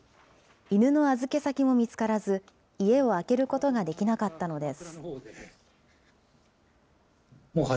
犬の預け先も見つからず、家を空けることができなかったのです。